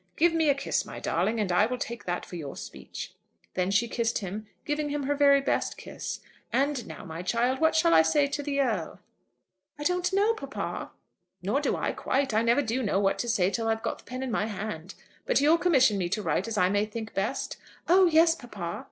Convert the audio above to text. Give me a kiss, my darling, and I will take that for your speech." Then she kissed him, giving him her very best kiss. "And now, my child, what shall I say to the Earl?" "I don't know, papa." "Nor do I, quite. I never do know what to say till I've got the pen in my hand. But you'll commission me to write as I may think best?" "Oh yes, papa."